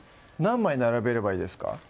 何枚並べればいいですか？